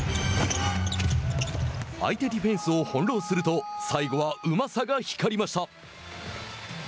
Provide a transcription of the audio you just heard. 相手ディフェンスを翻弄すると最後はうまさが光りました。